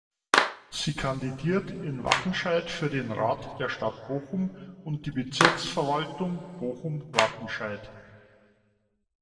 Sie kandidiert in Wattenscheid für den Rat der Stadt Bochum und die Bezirksvertretung Bochum-Wattenscheid.